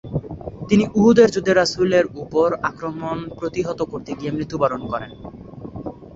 তিনি উহুদের যুদ্ধে রাসুলের উপর আক্রমণ প্রতিহত করতে গিয়ে মৃত্যুবরণ করেন।